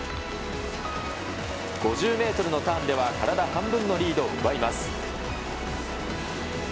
５０メートルのターンでは体半分のリードを奪います。